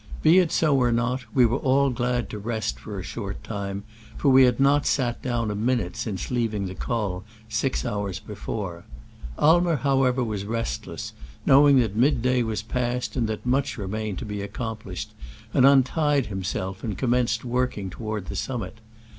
Be it so or not, we were all glad to rest for a short time, for we had not sat down a minute since leaving the col, six hours before. Aimer, how ever, was restless, knowing that mid day was past, and that much remained to be accomplished, and untied himself and commenced working toward the summit.